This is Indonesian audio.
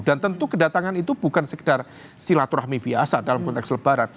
dan tentu kedatangan itu bukan sekedar silaturahmi biasa dalam konteks lebaran